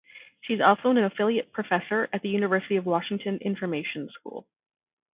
She is also an Affiliate Professor at the University of Washington Information School.